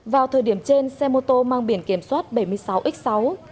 vào thời điểm trên xe mô tô mang biển kiểm soát bảy mươi sáu x sáu chín nghìn một trăm bốn mươi năm